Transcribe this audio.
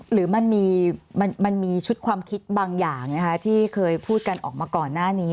หรือมันมีชุดความคิดบางอย่างที่เคยพูดกันออกมาก่อนหน้านี้